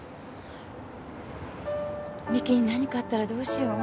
美樹に何かあったらどうしよう？